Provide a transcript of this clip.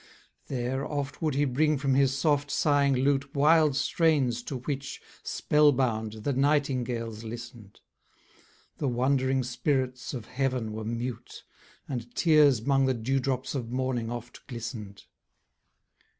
There, oft would he bring from his soft sighing lute Wild strains to which, spell bound, the nightingales listened; The wondering spirits of heaven were mute, And tears 'mong the dewdrops of morning oft glistened.